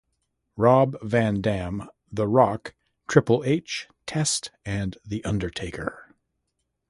Rob Van Dam, The Rock, Triple H, Test and the Undertaker.